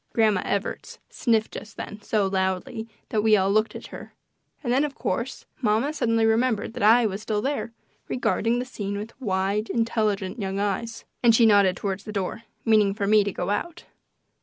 Grandma Evarts sniffed just then so loudly that we all looked at her, and then, of course, mamma suddenly remembered that I was still there, regarding the scene with wide, intelligent young eyes, and she nodded toward the door, meaning for me to go out.